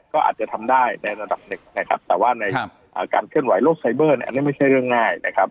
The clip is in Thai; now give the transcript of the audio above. ก็อาจจะทำได้ในระดับหนึ่งนะครับแต่ว่าในการเคลื่อนไหโลกไซเบอร์เนี่ยอันนี้ไม่ใช่เรื่องง่ายนะครับ